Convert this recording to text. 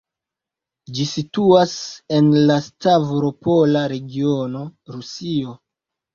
Ĝi situas en la Stavropola regiono, Rusio.